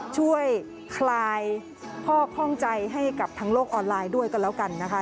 คลายข้อข้องใจให้กับทางโลกออนไลน์ด้วยกันแล้วกันนะคะ